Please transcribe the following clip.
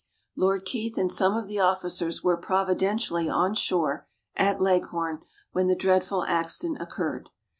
Lord Keith and some of the officers were providentially on shore, at Leghorn, when the dreadful accident occurred.